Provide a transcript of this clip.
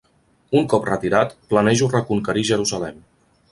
Un cop retirat, planejo reconquerir Jerusalem.